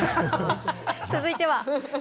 続いては。